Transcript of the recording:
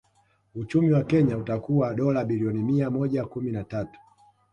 Uchumi wa Kenya utakuwa dola bilioni mia moja kumi na tatu